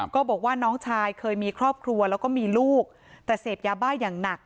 ก็บอกว่าน้องชายเคยมีครอบครัวแล้วก็มีลูกแต่เสพยาบ้าอย่างหนัก